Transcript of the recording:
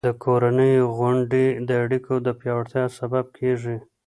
د کورنۍ غونډې د اړیکو د پیاوړتیا سبب کېږي.